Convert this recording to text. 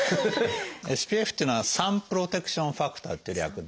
ＳＰＦっていうのは「サンプロテクションファクター」っていう略で。